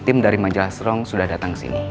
tim dari majalah strong sudah datang ke sini